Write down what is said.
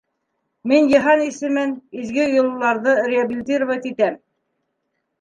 Мин Йыһан исемен, изге йолаларҙы реабилитировать итәм.